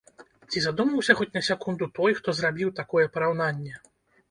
Ці задумаўся хоць на секунду той, хто зрабіў такое параўнанне?